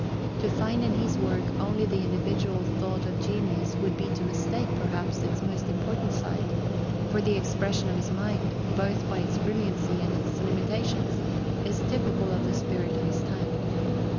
To find in his work only the individual thought of genius would be to mistake, perhaps, its most important side; for the expression of his mind, both by its brilliancy and its limitations, is typical of the spirit of his time.